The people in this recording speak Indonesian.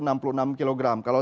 kalau terlihat dari berat badan